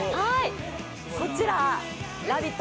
こちら、ラヴィット！